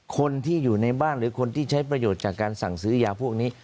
คนที่อยู่ในบ้านหรือคนที่ใช้ประโยชน์จากการสั่งซื้อยาพวกนี้